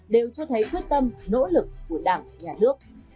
đều cho thấy quyết tâm nỗ lực của đảng nhà nước